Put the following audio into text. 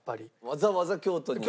わざわざ京都に？